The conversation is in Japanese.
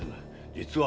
実は。